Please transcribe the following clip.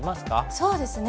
そうですね